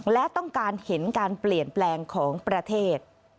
และต้องการเห็นการเปลี่ยนแปลงของประเทศ